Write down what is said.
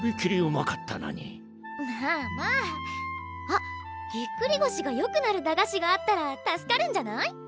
あっぎっくり腰がよくなる駄菓子があったら助かるんじゃない？